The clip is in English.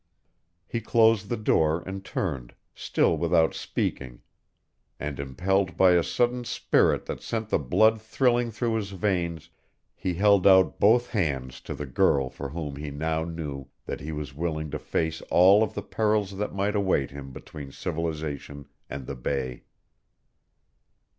He closed the door and turned, still without speaking; and, impelled by a sudden spirit that sent the blood thrilling through his veins, he held out both hands to the girl for whom he now knew that he was willing to face all of the perils that might await him between civilization and the bay.